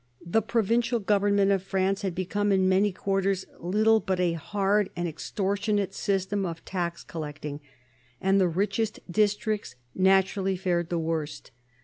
The provincial government of France had become, in many quarters, little but a hard and ex tortionate system of tax collecting, and the richest districts naturally fared the worst.